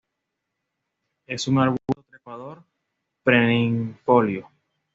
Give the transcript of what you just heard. Es un arbusto trepador perennifolio.